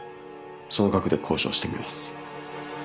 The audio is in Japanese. その額で交渉してみます。